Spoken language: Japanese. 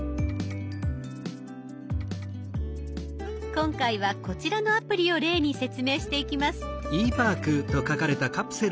今回はこちらのアプリを例に説明していきます。